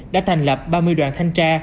đã thành lập ba mươi đoàn thanh tra